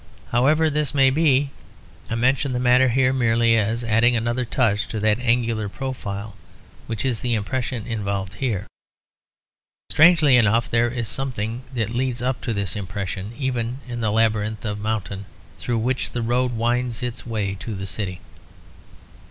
However this may be, I mention the matter here merely as adding another touch to that angular profile which is the impression involved here. Strangely enough, there is something that leads up to this impression even in the labyrinth of mountains through which the road winds its way to the city.